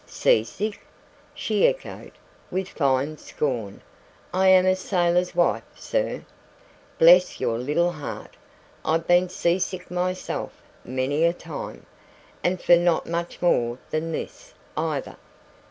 "Sea sick!" she echoed, with fine scorn. "I am a sailor's wife, sir." "Bless your little heart, I've been sea sick myself many a time, and for not much more than this, either.